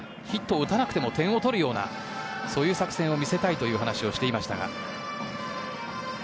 ヒットを打たなくても点を取るようなそういう作戦を見せたいという話をしていましたが。